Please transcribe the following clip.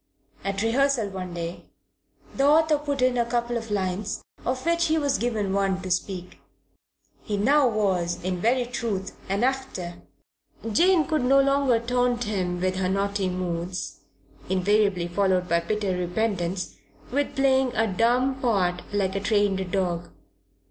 At rehearsal one day the author put in a couple of lines, of which he was given one to speak. He now was in very truth an actor. Jane could no longer taunt him in her naughty moods (invariably followed by bitter repentance) with playing a dumb part like a trained dog.